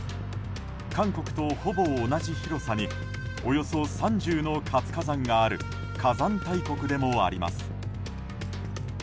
韓国とほぼ同じ広さにおよそ３０の活火山がある火山大国でもあります。